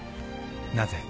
なぜ？